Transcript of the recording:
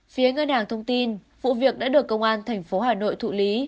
phía ngân hàng thông tin vụ việc đã được công an tp hà nội thụ lý